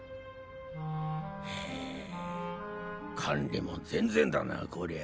へえ管理も全然だなこりゃ。